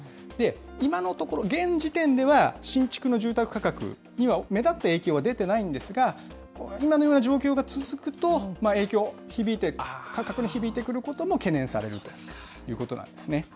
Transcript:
今のところ、現時点では、新築の住宅価格には目立った影響は出ていないんですが、今のような状況が続くと、影響、響いて、価格に響いてくることも懸念されるということなんですね。